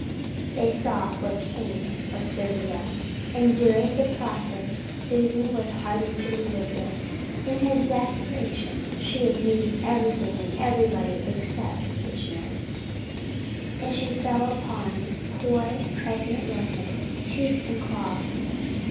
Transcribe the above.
They saw what became of Serbia, and during the process Susan was hardly to be lived with. In her exasperation she abused everything and everybody except Kitchener, and she fell upon poor President Wilson tooth and claw.